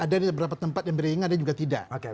ada di beberapa tempat yang beriringan ada juga tidak